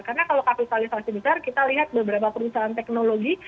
karena kalau kapitalisasi besar kita lihat beberapa perusahaan teknologi